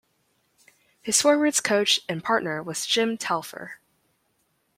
His forwards coach and partner was Jim Telfer.